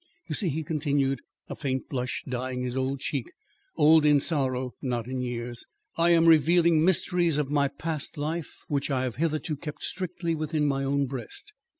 You see," he continued, a faint blush dyeing his old cheek ... old in sorrow not in years ... "I am revealing mysteries of my past life which I have hitherto kept strictly within my own breast.